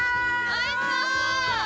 おいしそう！